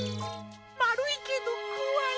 まるいけどこわい。